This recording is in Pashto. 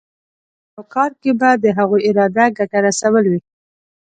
په یو کار کې به د هغوی اراده ګټه رسول وي.